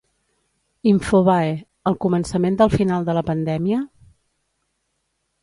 Infobae: El començament del final de la pandèmia?